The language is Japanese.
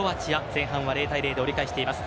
前半は０対０で折り返しています。